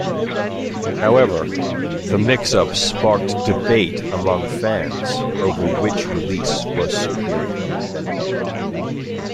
However, the mix-up sparked debate among fans over which release was superior.